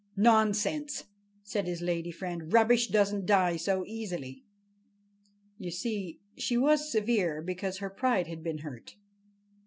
"Nonsense!" said his lady friend. "Rubbish doesn't die so easily!" You see, she was severe because her pride had been hurt.